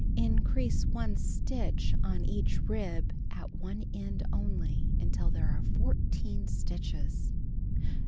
Increase 1 stitch on each rib at one end only until there are 14 stitches.